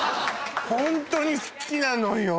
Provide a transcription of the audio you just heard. ホントに好きなのよ